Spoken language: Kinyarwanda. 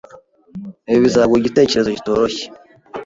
Ibi bizaguha igitekerezo kitoroshye.